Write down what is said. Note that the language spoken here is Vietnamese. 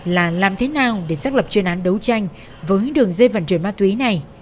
là làm thế nào để xác lập chuyên án đấu tranh với đường dây vận chuyển ma túy này